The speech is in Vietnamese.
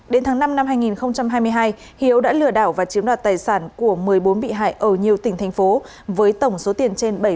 đến tháng năm năm hai nghìn hai mươi hai hiếu đã lừa đảo và chiếm đoạt tài sản của một mươi bốn bị hại ở nhiều tỉnh thành phố với tổng số tiền trên bảy trăm linh tỷ